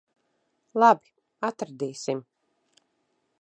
Labi. Atradīsim.